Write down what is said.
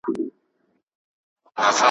په میدان کي یې وو مړی غځېدلی ,